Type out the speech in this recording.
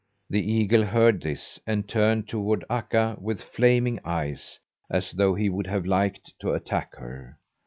The eagle heard this, and turned toward Akka with flaming eyes, as though he would have liked to attack her.